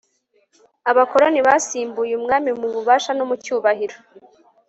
abakoloni basimbuye umwami mu bubasha no mu cyubahiro